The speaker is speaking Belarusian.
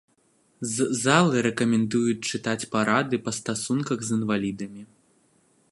З залы рэкамендуюць чытаць парады па стасунках з інвалідамі.